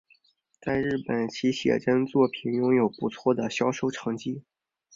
在日本其写真作品拥有不错的销售成绩。